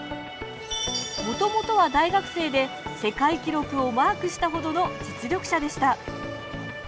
もともとは大学生で世界記録をマークしたほどの実力者でした。